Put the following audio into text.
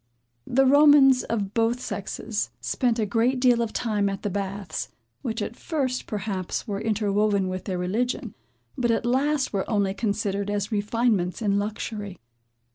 The Romans, of both sexes, spent a great deal of time at the baths; which at first, perhaps, were interwoven with their religion, but at last were only considered as refinements in luxury.